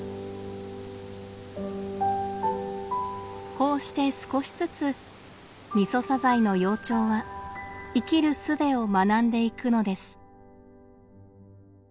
こうして少しずつミソサザイの幼鳥は生きるすべを学んでいくのです。